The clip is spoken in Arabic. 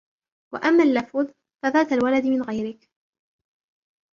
وَأَمَّا اللَّفُوتُ فَذَاتُ الْوَلَدِ مِنْ غَيْرِك